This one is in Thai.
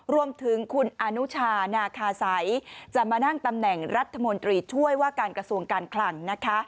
รวมถึงคุณอนุชานาคาสัยจะมานั่งตำแหน่งรัฐมนตรีช่วยว่าการกระทรวงการคลังนะคะ